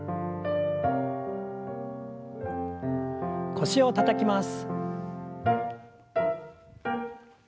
腰をたたきます。